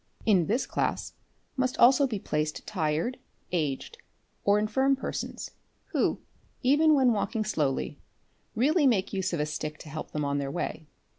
In this class must also be placed tired, aged, or infirm persons who, even when walking slowly, really make use of a stick to help them on their way.